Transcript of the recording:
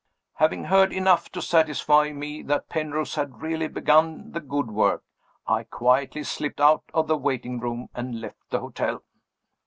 Having heard enough to satisfy me that Penrose had really begun the good work, I quietly slipped out of the waiting room and left the hotel.